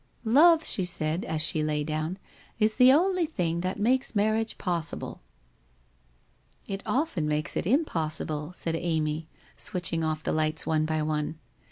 'Love,' she said, as she lay down, ' is the only thing that makes marriage possible/ 'It often makes it impossible/ said Amy switching off the lights one by one.